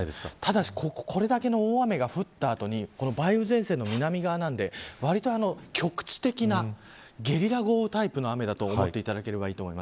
ただ、これだけの雨が降った後に梅雨前線の南側なのでわりと局地的なゲリラ豪雨タイプの雨だと思います。